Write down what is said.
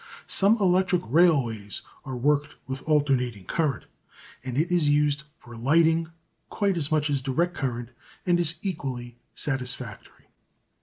Some electric railways are worked with alternating current, and it is used for lighting quite as much as direct current and is equally satisfactory.